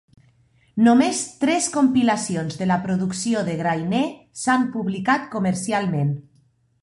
Només tres compilacions de la producció de Grainer s'han publicat comercialment.